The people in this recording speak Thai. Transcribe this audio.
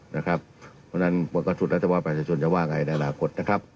เพราะฉะนั้นบริการสุดรัฐบาลประชาชนจะว่าอย่างไรในหลักกฏนะครับ